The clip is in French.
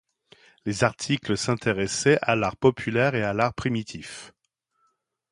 Les articles s'intéressaient à l'art populaire et l'art primitif.